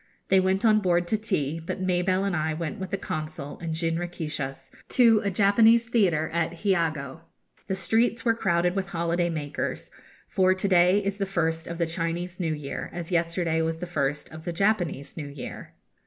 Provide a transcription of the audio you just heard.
They went on board to tea, but Mabelle and I went with the Consul in jinrikishas to a Japanese theatre at Hiogo. The streets were crowded with holiday makers; for to day is the first of the Chinese new year, as yesterday was the first of the Japanese new year.